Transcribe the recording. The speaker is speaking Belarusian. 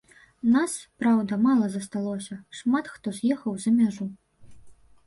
Нас, праўда, мала засталося, шмат хто з'ехаў за мяжу.